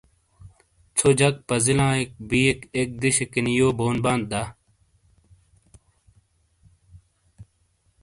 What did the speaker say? ژھو جک پزیلایئک بیئک ایک دِشیکینی یو بون بانت دا؟